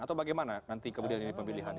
atau bagaimana nanti kemudian ini pemilihan